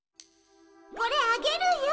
これあげるよ。